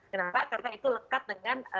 kenapa karena itu lekat dengan